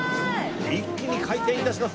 一気に回転致します。